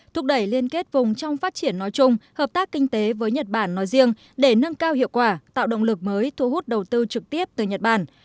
thúc đẩy liên kết vùng trong phát triển nói chung hợp tác kinh tế với nhật bản nói riêng để nâng cao hiệu quả tạo động lực mới thu hút đầu tư trực tiếp từ nhật bản